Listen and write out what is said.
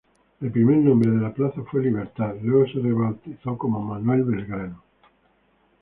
El primer nombre de la plaza fue Libertad, luego se rebautizó como Manuel Belgrano.